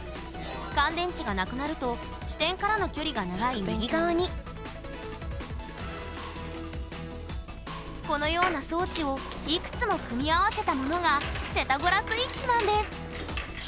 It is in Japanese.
乾電池がなくなると支点からの距離が長い右側にこのような装置をいくつも組み合わせたものがセタゴラスイッチなんです！